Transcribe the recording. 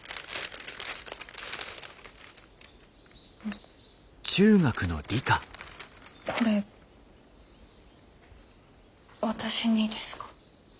んこれ私にですか？